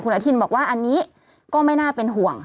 อนุทินบอกว่าอันนี้ก็ไม่น่าเป็นห่วง